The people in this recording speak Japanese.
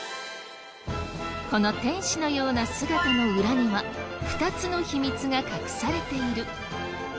この天使のような姿の裏には２つの秘密が隠されている。